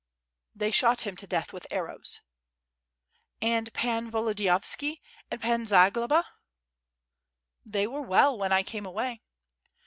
"They shot him to death with arrows." "And Pan Volodiyovski, and Pan Zagloba?" "They were well when I came away."